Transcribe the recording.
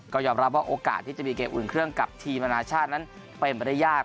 ก็ยอมรับว่าโอกาสที่จะมีเกมอุ่นเครื่องกับทีมอนาชาตินั้นเป็นไปได้ยาก